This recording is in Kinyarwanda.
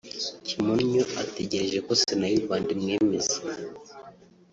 Kimonyo ategereje ko Sena y’u Rwanda imwemeza